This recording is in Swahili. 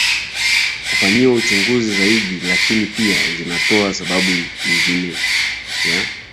kufanyiwa uchunguzi zaidi lakini pia zinatoa sababu nyingine ya